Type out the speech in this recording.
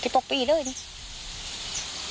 ที่บอกไปอีกเรื่อยเนี่ย